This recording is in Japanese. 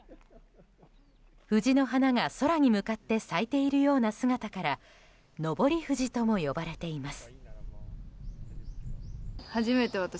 藤の花が空に向かって咲いているような姿から昇り藤とも呼ばれています。